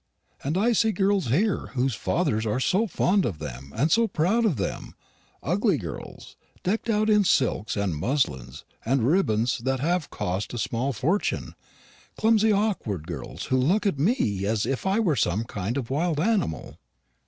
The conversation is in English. And I see girls here whose fathers are so fond of them and so proud of them ugly girls, decked out in silks and muslins and ribbons that have cost a small fortune clumsy awkward girls, who look at me as if I were some new kind of wild animal."